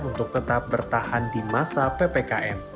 untuk tetap bertahan di masa ppkm